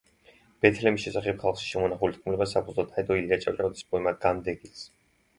ბეთლემის შესახებ ხალხში შემონახული თქმულება საფუძვლად დაედო ილია ჭავჭავაძის პოემა „განდეგილს“.